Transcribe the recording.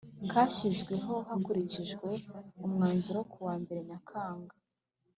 kashyizweho hakurikijwe umwanzuro wo ku wa mbere nyakanga